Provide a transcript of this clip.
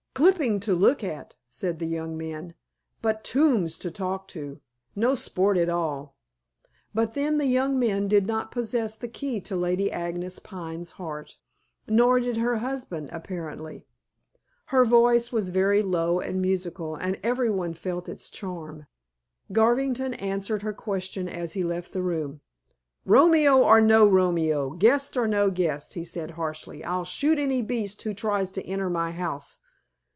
"Clippin' to look at," said the young men, "but tombs to talk to. No sport at all." But then the young men did not possess the key to Lady Agnes Pine's heart. Nor did her husband apparently. Her voice was very low and musical, and every one felt its charm. Garvington answered her question as he left the room. "Romeo or no Romeo, guest or no guest," he said harshly, "I'll shoot any beast who tries to enter my house.